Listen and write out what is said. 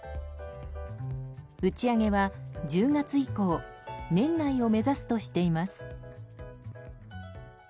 打ち上げは、１０月以降年内を目指すとしています。